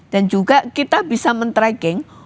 dan juga kita bisa men tracking